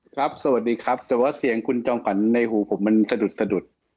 ครับสวัสดีครับแต่ว่าเสียงคุณจองขวัญในหูผมมันสะดุด